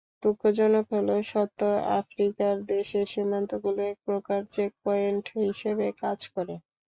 দুঃখজনক হলেও সত্য, আফ্রিকার দেশের সীমান্তগুলো একপ্রকার চেকপয়েন্ট হিসেবে কাজ করে।